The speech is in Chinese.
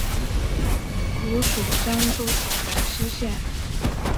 古属漳州府龙溪县。